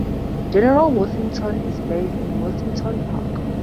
General Worthington is buried in Worthington Park.